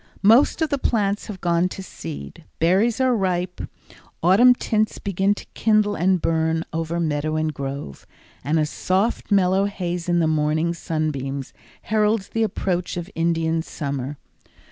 Most of the plants have gone to seed; berries are ripe; autumn tints begin to kindle and burn over meadow and grove, and a soft mellow haze in the morning sunbeams heralds the approach of Indian summer.